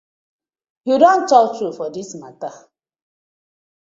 Yu don tok true for dis matter.